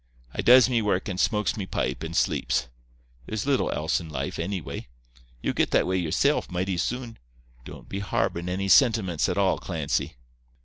I does me work and smokes me pipe and sleeps. There's little else in life, anyway. Ye'll get that way yersilf, mighty soon. Don't be harbourin' any sintiments at all, Clancy.